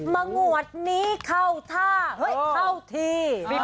งวดนี้เข้าท่าเฮ้ยเข้าที